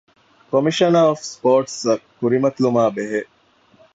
ކޮމިޝަނަރ އޮފް ސްޕޯޓްސްއަށް ކުރިމަތިލުމާ ބެހޭ